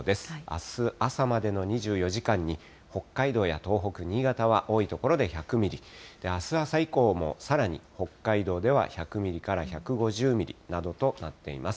あす朝までの２４時間に北海道や東北、新潟は多い所で１００ミリ、あす朝以降も、さらに北海道では１００ミリから１５０ミリなどとなっています。